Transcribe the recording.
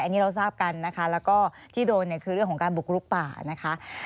อันนี้เราทราบกันนะคะแล้วก็ที่โดนเนี่ยคือเรื่องของการบุกลุกป่านะคะ